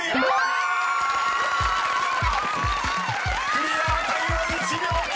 ［クリアタイム１秒９０！］